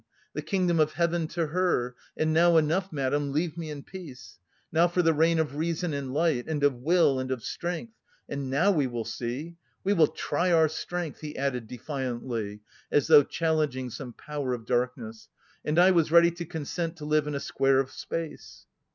The Kingdom of Heaven to her and now enough, madam, leave me in peace! Now for the reign of reason and light... and of will, and of strength... and now we will see! We will try our strength!" he added defiantly, as though challenging some power of darkness. "And I was ready to consent to live in a square of space!